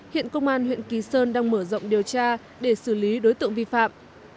hiện công an huyện kỳ sơn đang mở rộng điều tra để xử lý đối tượng vi phạm